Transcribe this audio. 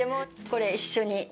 これ、一緒に。